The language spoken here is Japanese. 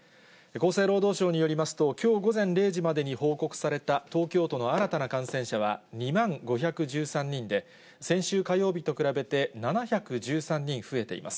厚生労働省によりますと、きょう午前０時までに報告された東京都の新たな感染者は２万５１３人で、先週火曜日と比べて７１３人増えています。